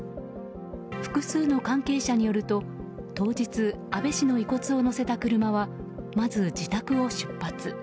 複数の関係者によると当日、安倍氏の遺骨を乗せた車はまず自宅を出発。